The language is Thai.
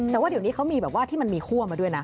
แต่ว่าเดี๋ยวนี้เขามีแบบว่าที่มันมีคั่วมาด้วยนะ